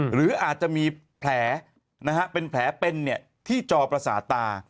หรืออาจจะมีแผลเป็นแผลเป็นที่จอประสาทตา